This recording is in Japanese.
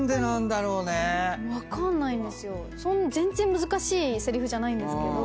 全然難しいせりふじゃないんですけど。